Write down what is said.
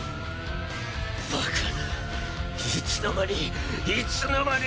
バカないつの間にいつの間に！